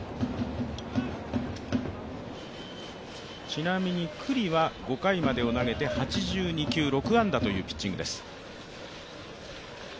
ちなみに九里は５回までを投げて８２球６安打というピッチングです。